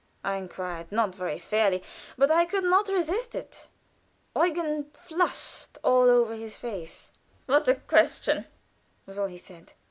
I inquired, not very fairly, but I could not resist it. Eugen flushed all over his face. "What a question!" was all he said.